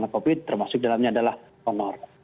covid termasuk dalamnya adalah honor